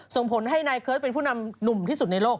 ส่งผลให้นายเคิร์ตเป็นผู้นำหนุ่มที่สุดในโลก